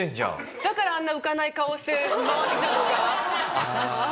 だからあんな浮かない顔をして回ってきたんですか？